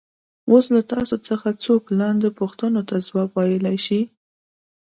اوس له تاسو څخه څوک لاندې پوښتنو ته ځواب ویلای شي.